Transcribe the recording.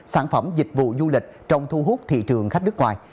sản phẩm dịch vụ du lịch trong thu hút thị trường khách nước ngoài